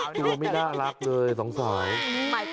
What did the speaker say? ตัวไม่น่ารักเลยสงสัย